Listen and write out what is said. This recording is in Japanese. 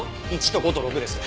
１と５と６です。